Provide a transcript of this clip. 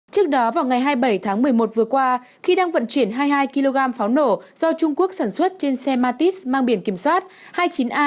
trước đó vào ngày hai mươi bảy tháng một mươi một vừa qua khi đang vận chuyển hai mươi hai kg pháo nổ do trung quốc sản xuất trên xe matis mang biển kiểm soát hai mươi chín a ba mươi bảy nghìn bốn trăm chín mươi bốn